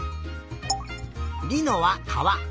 りのはかわ。